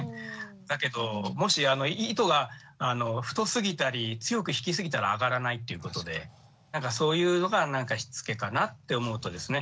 だけどもし糸が太すぎたり強く引きすぎたら揚がらないっていうことでなんかそういうのがしつけかなって思うとですね